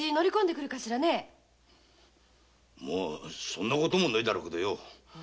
そんなこともないだろうけどよ！